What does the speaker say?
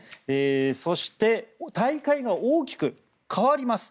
そして、大会が大きく変わります。